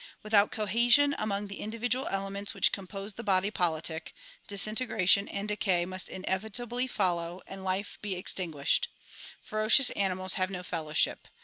Without cohesion among the individual elements which compose the body politic, disintegration and decay must inevitably follow and life be extinguished. Ferocious animals have no fellowship.